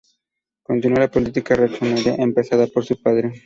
Continuó la política reaccionaria empezada por su padre.